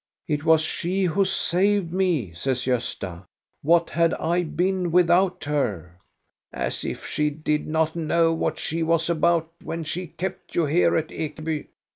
" "It was she who saved me," says Gosta. "What had I been without her ?" "As if she did not know what she was about when she kept you here at Ekeby.